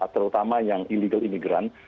terutama yang illegal imigran